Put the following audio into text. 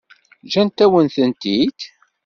Ǧǧan-awen-tent-id?